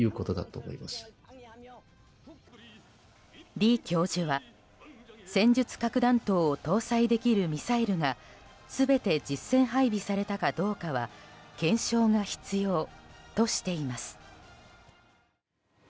李教授は戦術核弾頭を搭載できるミサイルが全て実戦配備されたかどうかは検証が必要としています。